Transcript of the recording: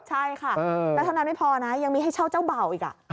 ใช่ค่ะแล้วเท่านั้นไม่พอนะยังมีให้เช่าเจ้าเบ่าอีก